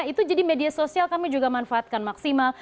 itu jadi media sosial kami juga manfaatkan maksimal